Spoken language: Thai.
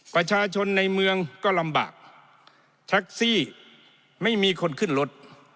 ประชาชนในเมืองก็ลำบากแท็กซี่ไม่มีคนขึ้นรถ